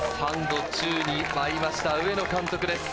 ３度宙に舞いました、上野監督です。